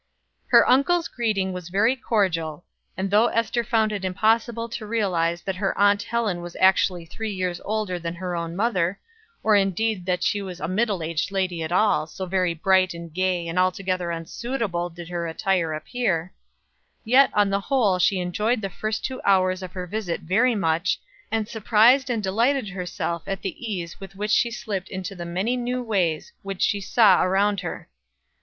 Her uncle's greeting was very cordial; and though Ester found it impossible to realize that her Aunt Helen was actually three years older than her own mother, or indeed that she was a middle aged lady at all, so very bright and gay and altogether unsuitable did her attire appear; yet on the whole she enjoyed the first two hours of her visit very much, and surprised and delighted herself at the ease with which she slipped into the many new ways which she saw around her.